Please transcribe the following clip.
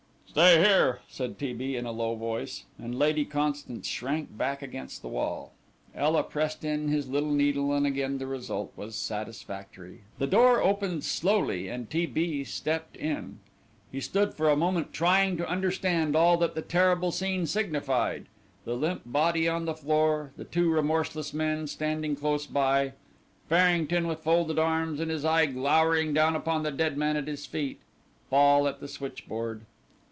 "Stay here," said T. B. in a low voice, and Lady Constance shrank back against the wall. Ela pressed in his little needle and again the result was satisfactory. The door opened slowly and T. B. stepped in. He stood for a moment trying to understand all that the terrible scene signified. The limp body on the floor; the two remorseless men standing close by; Farrington with folded arms and his eye glowering down upon the dead man at his feet. Fall at the switchboard.